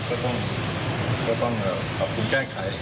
ก็ต้องอภูมิแก้ไข